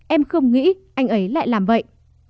em không nghĩ anh ấy lại làm vậy